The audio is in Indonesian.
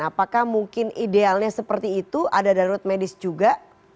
apakah mungkin idealnya seperti itu ada darurat medis juga